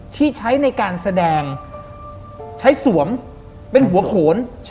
ที่ใช้ในการแสดงใช้สวมเป็นหัวโขน